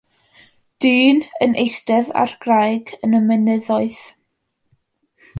Dyn yn eistedd ar graig yn y mynyddoedd.